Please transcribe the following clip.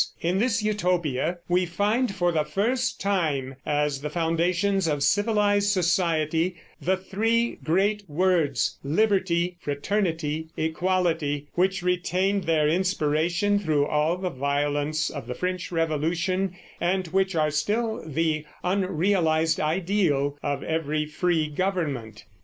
In this Utopia we find for the first time, as the foundations of civilized society, the three great words, Liberty, Fraternity, Equality, which retained their inspiration through all the violence of the French Revolution and which are still the unrealized ideal of every free government.